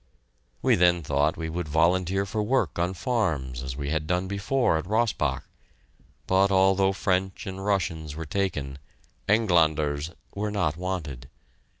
We then thought we would volunteer for work on farms as we had done before at Rossbach, but although French and Russians were taken, "Engländers" were not wanted!